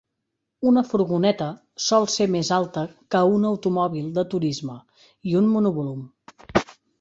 Una furgoneta sol ser més alta que un automòbil de turisme i un monovolum.